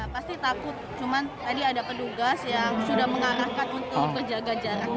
pasti takut cuman tadi ada petugas yang sudah mengarahkan untuk berjaga jarak